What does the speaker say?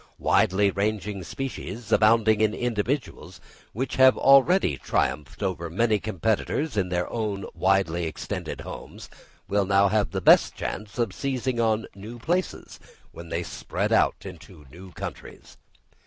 Widely ranging species, abounding in individuals, which have already triumphed over many competitors in their own widely extended homes, will have the best chance of seizing on new places, when they spread out into new countries.